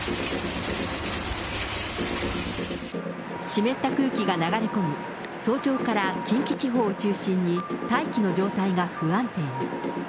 湿った空気が流れ込み、早朝から近畿地方を中心に大気の状態が不安定に。